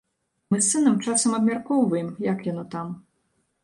Мы з сынам часам абмяркоўваем, як яно там.